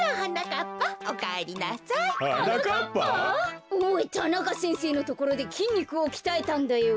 田中先生のところできんにくをきたえたんだよ。